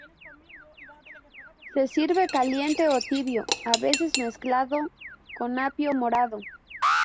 Se sirve caliente o tibio, a veces mezclado con api morado.